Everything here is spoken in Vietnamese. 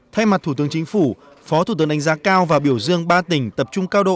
thay mặt thủ tướng chính phủ phó thủ tướng đánh giá cao và biểu dương ba tỉnh tập trung cao độ